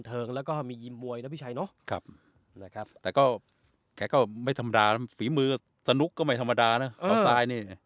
เทิงแล้วก็มียิมมวยนะพี่ชัยเนาะนะครับแต่ก็แกก็ไม่ธรรมดาฝีมือสนุกก็ไม่ธรรมดานะเอาซ้ายนี่